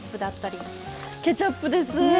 ケチャップです。